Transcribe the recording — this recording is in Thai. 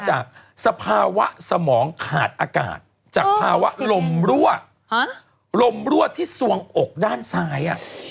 สภาวะสมองขาดอากาศจากภาวะลมรั่วลมรั่วที่สวงอกด้านซ้ายอ่ะ